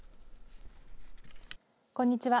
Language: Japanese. こんにちは。